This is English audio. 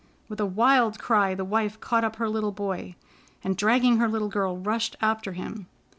With a wild cry, the wife caught up her little boy, and, dragging her little girl, rushed after him.